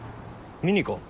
見に行こう。